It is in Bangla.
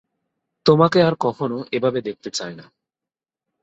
তোমাকে আর কখনো এভাবে দেখতে চাই না।